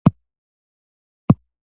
عشر د غنمو د حاصل لسمه برخه ده.